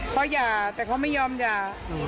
เขาหย่าแต่เขาไม่ยอมหย่า